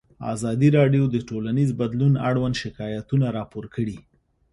ازادي راډیو د ټولنیز بدلون اړوند شکایتونه راپور کړي.